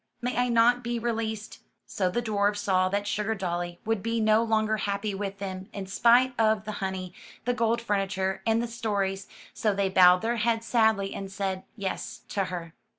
May I not be re leased?" So the dwarfs saw that Sugardolly would be no longer happy with them, in spite of the honey, the gold furniture, and the stories, so they bowed their heads sadly and said, "Yes,'' to her.